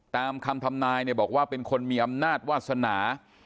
ตามคำทำนายเนี่ยบอกว่าเป็นคนมีอำนาจวาสนา